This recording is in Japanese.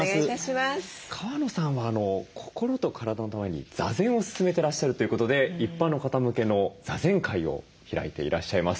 川野さんは心と体のために座禅を勧めてらっしゃるということで一般の方向けの座禅会を開いていらっしゃいます。